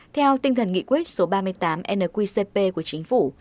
theo tinh thần nghị quyết số ba mươi tám nqcp của chính phủ